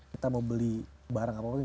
kita mau beli barang apapun